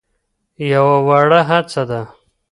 يوه وړه هڅه ده.